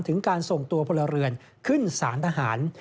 ถึงการส่งตัวพลเรือนขึ้นสารทหาร